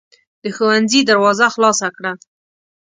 د ښوونځي دروازه خلاصه کړه.